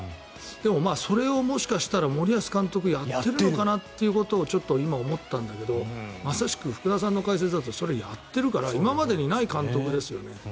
でもそれをもしかしたら森保監督はやっているのかなとちょっと今思ったんだけど福田さんの解説だとそれをやっているから今までにない監督ですよね。